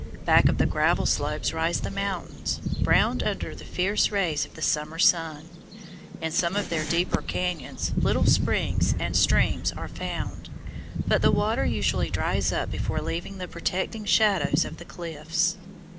Back of the gravel slopes rise the mountains, browned under the fierce rays of the summer sun. In some of their deeper cañons little springs and streams are found, but the water usually dries up before leaving the protecting shadows of the cliffs.